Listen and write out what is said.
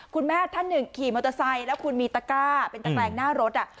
คุณแม่ท่านหนึ่งขี่มอเตอร์ไซค์แล้วคุณมีตะกร้าเป็นตะแกรงหน้ารถ